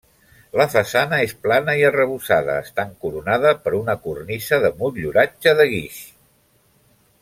La façana és plana i arrebossada, estant coronada per una cornisa de motlluratge de guix.